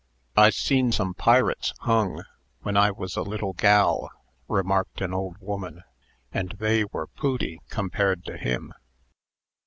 "I seen some pirates hung, when I was a little gal," remarked an old woman, "and they were pooty compared to him."